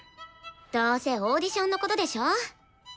どうせオーディションのことでしょ？